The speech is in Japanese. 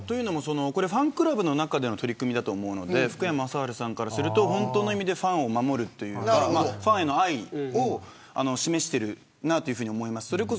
ファンクラブの中での取り組みだと思うので福山さんからすると本当の意味でファンを守るというファンへの愛を示しているなというふうに思います。